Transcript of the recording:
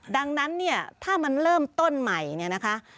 ดังนั้นเนี่ยถ้ามันเริ่มต้นใหม่เนี่ยนะคะ